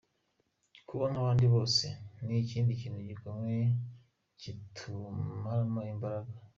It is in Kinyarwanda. Kuba nk’abandi bose ni ikindi kintu gikomeye kitumaramo imbaraga.